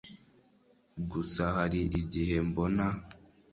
gusa hari igihe mbona